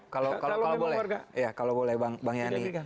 kalau boleh ya kalau boleh bang yani